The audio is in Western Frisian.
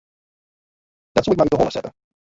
Dat soe ik mar út 'e holle sette.